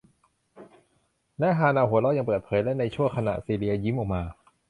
และฮาเนาหัวเราะอย่างเปิดเผย และในชั่วขณะ ซีเลียยิ้มออกมา